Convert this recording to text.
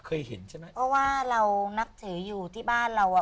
เพราะว่าเรานักถืออยู่ที่บ้านเราอ่ะ